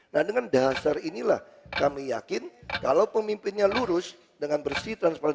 nah dengan dasar inilah kami yakin kalau pemimpinnya lurus dengan bersih transparansi